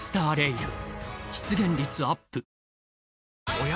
おや？